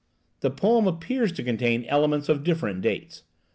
The poem appears to contain elements of different dates.